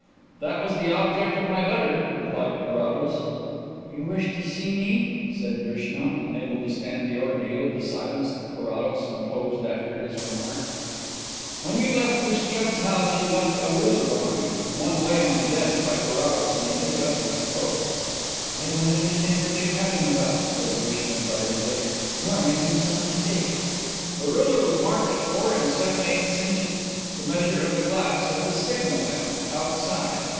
"That was the object of my letter," replied Carrados. "You wished to see me?" said Drishna, unable to stand the ordeal of the silence that Carrados imposed after his remark. "When you left Miss Chubb's house you left a ruler behind." One lay on the desk by Carrados and he took it up as he spoke. "I don't understand what you are talking about," said Drishna guardedly. "You are making some mistake." "The ruler was marked at four and seven eighths inches the measure of the glass of the signal lamp outside."